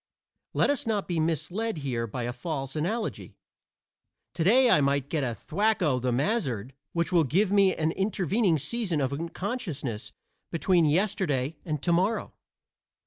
Let us not be misled here by a false analogy. Today I may get a thwack o' the mazzard which will give me an intervening season of unconsciousness between yesterday and to morrow.